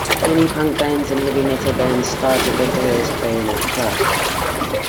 Many punk bands and heavy metal bands started their careers playing at the club.